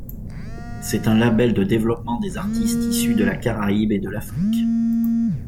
C'est un label de développement des artistes issus de la Caraïbe et de l'Afrique.